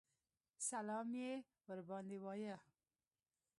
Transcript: سلام یې ورباندې وایه.